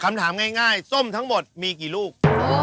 คำถามง่ายส้มทั้งหมดมีกี่ลูก